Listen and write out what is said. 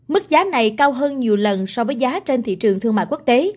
mức giá này cao hơn nhiều lần so với giá trên thị trường thương mại quốc tế